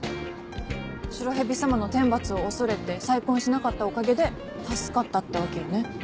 白蛇様の天罰を恐れて再婚しなかったおかげで助かったってわけよね。